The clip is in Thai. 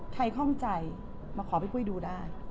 คล่องใจมาขอพี่ปุ้ยดูได้